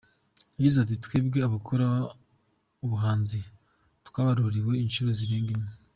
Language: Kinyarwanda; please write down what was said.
Yagize ati “Twebwe abakora ubuhanzi twarabaruwe inshuro zirenze imwe.